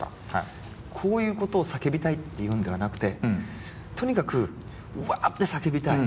こういうことを叫びたいっていうんではなくてとにかくわ！って叫びたい。